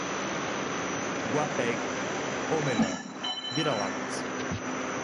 Guapeica, ou melhor, vira-latas